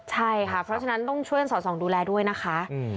ใช่ค่ะเพราะฉะนั้นต้องช่วยสอดส่องดูแลด้วยนะคะ